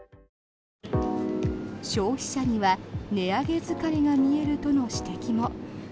消費者には値上げ疲れが見えるとの指摘も。